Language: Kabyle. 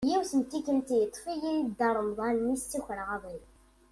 Yiwet n tikelt yeṭṭef-iyi Dda Remḍan mi s-d-ttakreɣ aḍil.